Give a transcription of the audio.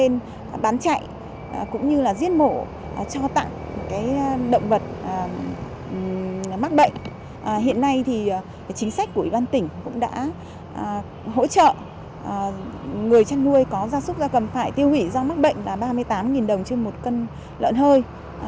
người trăn nuôi có gia súc gia cầm phải tiêu hủy do mắc bệnh là ba mươi tám đồng trên một cân lợn hơi